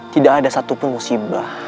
tidak ada satu pun musibah